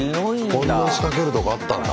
こんな仕掛けるとこあったんだ。